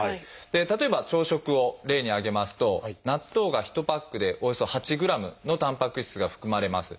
例えば朝食を例に挙げますと納豆が１パックでおよそ８ｇのたんぱく質が含まれます。